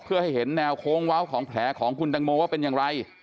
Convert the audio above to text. เพื่อให้เห็นแนวโค้งเว้าของแผลของคุณตังโมว่าเป็นอย่างไร